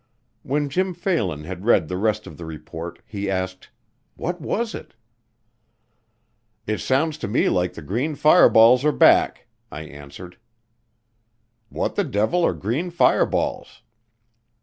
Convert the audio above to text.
When Jim Phalen had read the rest of the report he asked, "What was it?" "It sounds to me like the green fireballs are back," I answered. "What the devil are green fireballs?"